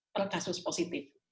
per kasus positif